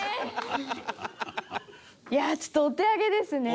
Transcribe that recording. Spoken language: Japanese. いやあちょっとお手上げですね。